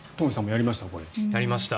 やりました。